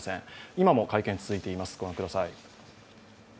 今も会見が続いています、ご覧ください。